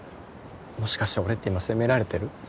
もしかして俺って今責められてる？